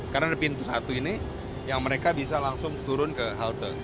karena ada pintu satu ini yang mereka bisa langsung turun ke halte